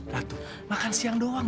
ratu makan siang doang